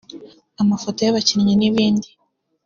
amafoto y’abakinnyi n’ibindi